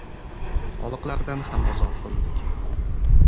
Soliqlardan ham ozod qildik.